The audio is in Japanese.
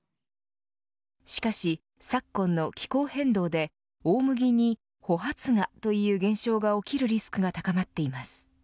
しかし昨今の気候変動で、大麦に穂発芽という現象が起きるリスクが高まっています。